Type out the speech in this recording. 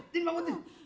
tin bangun tin